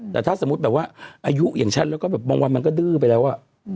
แต่ถ้าสมมุติแบบว่าอายุอย่างฉันมังวันมันก็ดื้อไปแล้วอะ